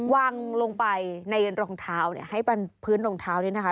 วางลงไปในรองเท้าเนี่ยให้พื้นรองเท้านี้นะคะ